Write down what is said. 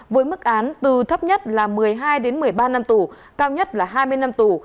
với mức án từ thấp nhất là một mươi hai đến một mươi ba năm tù cao nhất là hai mươi năm tù